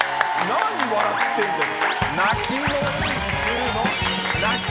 何笑ってんだよ！